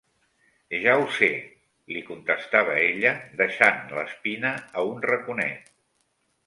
Ja ho sé,—li contestava ella, deixant l'espina a un raconet.